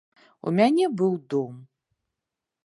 У мяне быў дом.